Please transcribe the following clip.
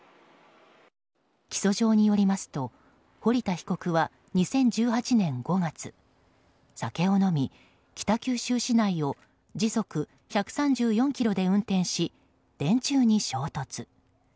起訴状によりますと堀田被告は２０１８年５月酒を飲み北九州市内を時速１３４キロで運転し電柱に衝突。